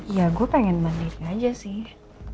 ya gue pengen mandiri aja sih